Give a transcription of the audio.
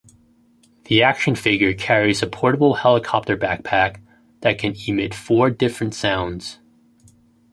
The action figure carries a portable helicopter backpack that can emit four different sounds.